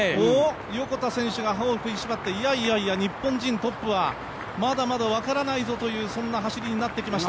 横田選手が歯を食いしばっていやいやいや日本人トップはまだまだ分からないぞというそんな走りになってきました。